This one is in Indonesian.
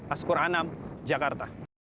askur anam jakarta